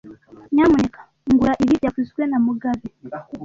Nyamuneka ngura ibi byavuzwe na mugabe